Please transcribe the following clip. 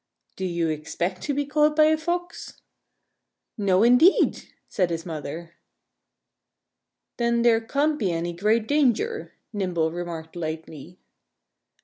"Do you expect to be caught by a Fox?" "No, indeed!" said his mother. "Then there can't be any great danger," Nimble remarked lightly.